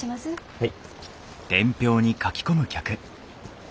はい。